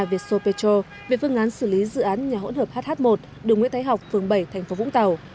vietso petro về phương án xử lý dự án nhà hỗn hợp hh một đường nguyễn thái học phường bảy thành phố vũng tàu